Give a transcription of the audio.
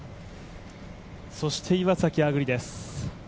そして岩崎亜久竜です。